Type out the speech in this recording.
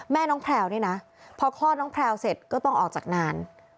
แม่น้องแพลวเนี่ยนะพอคลอดน้องแพลวเสร็จก็ต้องออกจากงาน